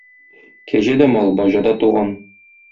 Кәҗә дә мал, баҗа да туган.